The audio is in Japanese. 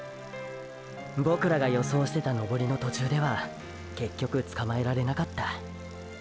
ボクらが予想してた登りの途中では結局つかまえられなかった。